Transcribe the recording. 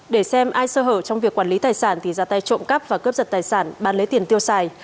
để xem ai sơ hở trong việc quản lý tài sản thì ra tay trộm cắp và cướp giật tài sản bán lấy tiền tiêu xài